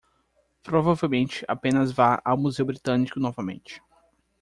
Provavelmente apenas vá ao Museu Britânico novamente